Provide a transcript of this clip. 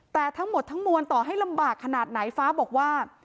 แต่ทั้งหมดทั้งมวลต่อให้ลำบากขนาดไหนฟ้าบอกว่า